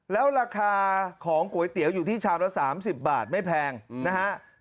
แล้วราคาของก๋วยเตี๋ยวอยู่ที่ชามละ๓๐บาทไม่แพงนะฮะ